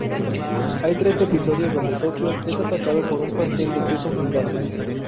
Hay tres episodios donde Tokio es atacado por un pastel de queso gigante.